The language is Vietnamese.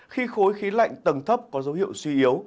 khi khối khí lạnh tầng thấp có dấu hiệu suy yếu